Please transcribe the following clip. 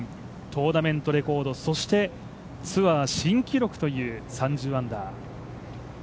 トーナメントレコード、そしてツアー新記録という３０アンダー。